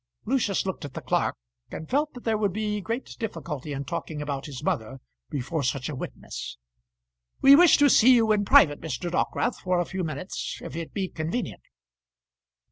Lucius looked at the clerk, and felt that there would be great difficulty in talking about his mother before such a witness. "We wish to see you in private, Mr. Dockwrath, for a few minutes if it be convenient."